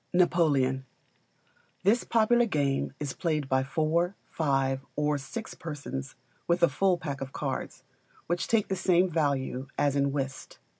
Napoleon. This popular game is played by four, five, or six persons with a full pack of cards, which take the same value as in Whist.